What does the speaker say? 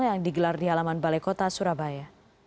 yang digelar di halaman balai kota surabaya